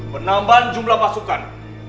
penambahan jumlah pasukan